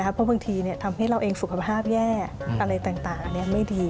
เพราะบางทีทำให้เราเองสุขภาพแย่อะไรต่างไม่ดี